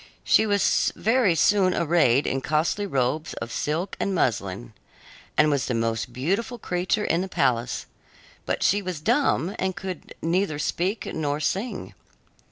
She was very soon arrayed in costly robes of silk and muslin and was the most beautiful creature in the palace; but she was dumb and could neither speak nor sing.